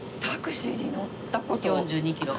４２キロ。